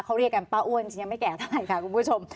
เขาเรียกกันป้าอ้วนฉันยังไม่แก่เท่าไหร่ค่ะคุณผู้ชม